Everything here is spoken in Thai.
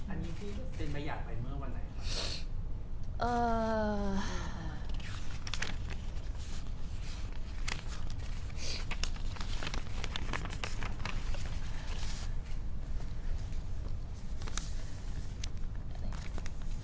อันนี้ที่เป็นประหยัดไปเมื่อวันไหนครับ